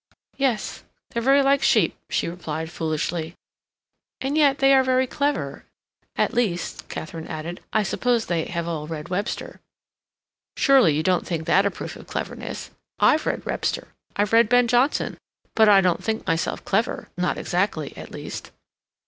"Yes, they're very like sheep," she repeated, foolishly. "And yet they are very clever—at least," Katharine added, "I suppose they have all read Webster." "Surely you don't think that a proof of cleverness? I've read Webster, I've read Ben Jonson, but I don't think myself clever—not exactly, at least."